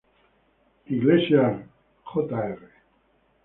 Iglesias Jr.